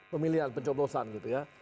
pemilihan pencoblosan gitu ya